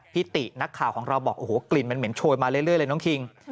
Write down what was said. ตินักข่าวของเราบอกโอ้โหกลิ่นมันเหม็นโชยมาเรื่อยเลยน้องคิง